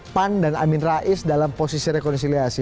pan dan amin rais dalam posisi rekonsiliasi